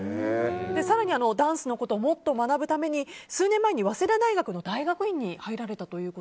更に、ダンスのことをもっと学ぶために数年前に早稲田大学の大学院に入られたという。